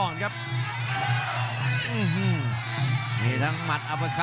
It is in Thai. และอัพพิวัตรสอสมนึก